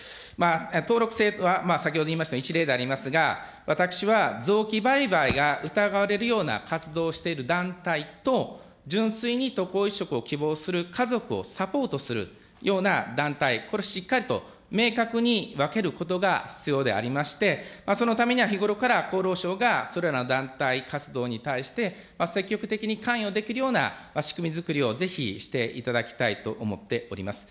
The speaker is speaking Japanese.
登録制は先ほど言いました、一例でありますが、私は臓器売買が疑われるような活動をしている団体と、純粋に渡航移植を希望する家族をサポートするような団体、これをしっかりと明確に分けることが必要でありまして、そのためには日ごろから厚労省がそれらの団体、活動に対して積極的に関与できるような仕組み作りをぜひしていただきたいと思っております。